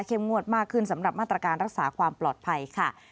งวดมากขึ้นสำหรับมาตรการรักษาความปลอดภัยค่ะ